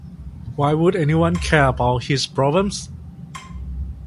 Why would anyone care about his problems?